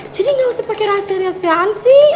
jadi gak usah pake rahasia rahasiaan sih